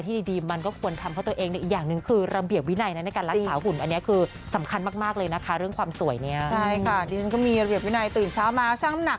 แต่ว่าเหนื่อยแล้วมันคุ้มค่าควรทำ